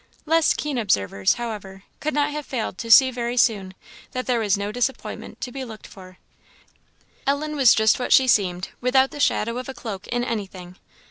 Less keen observers, however, could not have failed to see very soon that there was no disappointment to be looked for: Ellen was just what she seemed, without the shadow of a cloak in anything.